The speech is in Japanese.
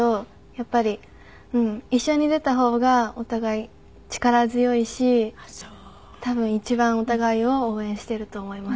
やっぱり一緒に出た方がお互い力強いし多分一番お互いを応援していると思います。